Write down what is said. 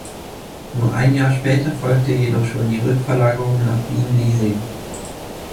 Nur ein Jahr später folgte jedoch schon die Rückverlagerung nach Wien-Liesing.